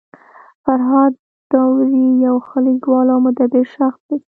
فرهاد داوري يو ښه لیکوال او مدبر شخصيت دی.